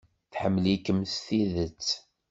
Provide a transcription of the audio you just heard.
Tḥemmel-ikem s tidet.